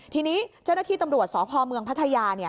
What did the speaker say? ทีนี้เจ้าหน้าที่ตำรวจสพเมืองพัทยา